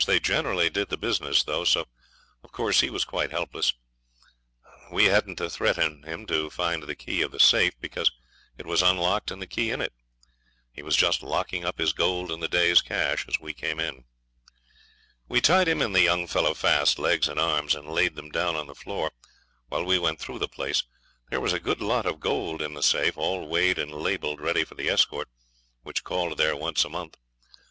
They generally did the business, though, so of course he was quite helpless. We hadn't to threaten him to find the key of the safe, because it was unlocked and the key in it. He was just locking up his gold and the day's cash as we came in. We tied him and the young fellow fast, legs and arms, and laid them down on the floor while we went through the place. There was a good lot of gold in the safe all weighed and labelled ready for the escort, which called there once a month.